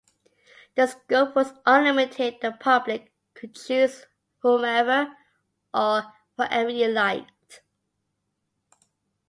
The scope was unlimited-the public could choose whomever or whatever it liked.